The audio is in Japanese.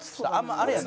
あれやな。